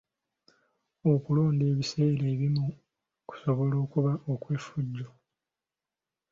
Okulonda ebiseera ebimu kusobola okuba okw'effujjo.